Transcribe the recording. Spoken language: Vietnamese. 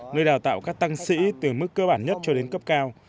nơi đào tạo các tăng sĩ từ mức cơ bản nhất cho đến cấp cao